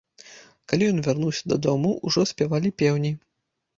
Калі ён вярнуўся дадому, ужо спявалі пеўні.